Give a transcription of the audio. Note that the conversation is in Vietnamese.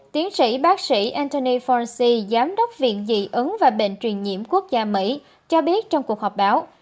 tiến sĩ bác sĩ antony faunci giám đốc viện dị ứng và bệnh truyền nhiễm quốc gia mỹ cho biết trong cuộc họp báo